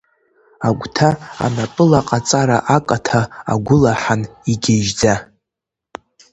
Агәҭа анапылаҟаҵара акаҭа агәылаҳан игьежьӡа.